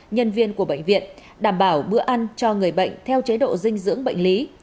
nhân viên của bệnh viện đảm bảo bữa ăn cho người bệnh theo chế độ dinh dưỡng bệnh lý